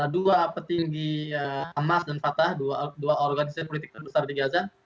dua petinggi emas dan fatah dua organisasi politik terbesar di gaza